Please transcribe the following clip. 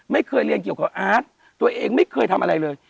ไม่เคยเรียนเกี่ยวกับอาร์ตตัวเองไม่เคยทำอะไรเลย